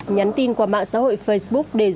nhắn tin qua mạng xã hội facebook để dùng